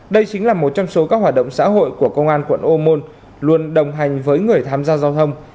đây chính là một trong số các hoạt động xã hội của công an quận ô môn luôn đồng hành với người tham gia giao thông